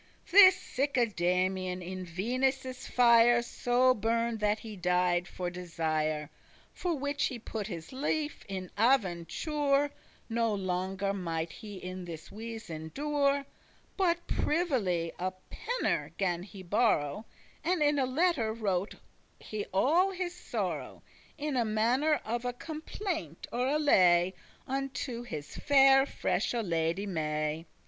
This sicke Damian in Venus' fire So burned that he died for desire; For which he put his life *in aventure,* *at risk* No longer might he in this wise endure; But privily a penner* gan he borrow, *writing case And in a letter wrote he all his sorrow, In manner of a complaint or a lay, Unto his faire freshe lady May.